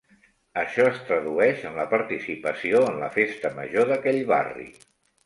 Això es tradueix en la participació en la festa major d'aquell barri.